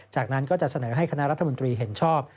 จากนั้นก็จะเสนอให้คณะรัฐมนตรีเห็นชอบ